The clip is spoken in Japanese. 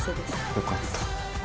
よかった。